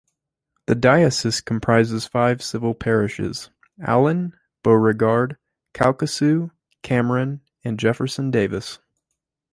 The Diocese comprises five civil parishes: Allen, Beauregard, Calcasieu, Cameron, and Jefferson Davis.